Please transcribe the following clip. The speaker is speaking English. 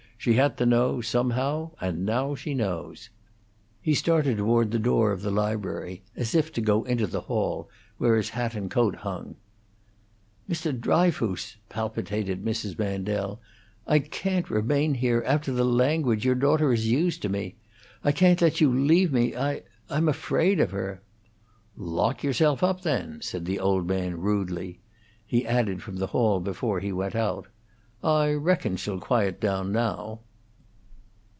She had to know, somehow, and now she knows." He started toward the door of the library, as if to go into the hall, where his hat and coat hung. "Mr. Dryfoos," palpitated Mrs. Mandel, "I can't remain here, after the language your daughter has used to me I can't let you leave me I I'm afraid of her " "Lock yourself up, then," said the old man, rudely. He added, from the hall before he went out, "I reckon she'll quiet down now."